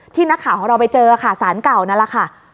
นักข่าวของเราไปเจอค่ะสารเก่านั่นแหละค่ะ